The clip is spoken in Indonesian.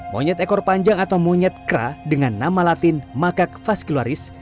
monyet ekor panjang atau monyet kra dengan nama latin makak faskloris